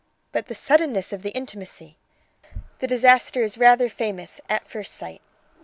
"But the suddenness of the intimacy!" "The disaster is rather famous 'at first sight'.